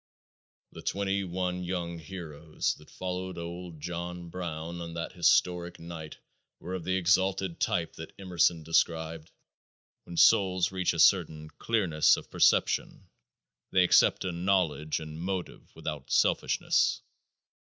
The twenty one young heroes who followed old John Brown on that historic night were of the exalted type that Emerson described: "When souls reach a certain clearness of perception, they accept a knowledge and motive without selfishness."